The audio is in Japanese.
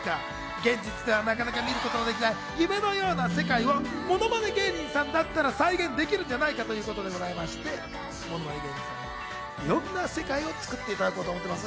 現実ではなかなか見ることのできない夢のような世界をものまね芸人さんだったら再現できるんじゃないかということでございまして、いろんな世界を作っていただこうと思っております。